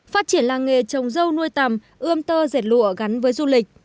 phát triển làng nghề trồng dâu nuôi tầm ươm tơ dệt lụa gắn với du lịch